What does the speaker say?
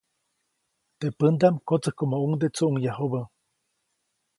Teʼ pändaʼm kotsäjkomoʼuŋde tsuʼŋyajubä.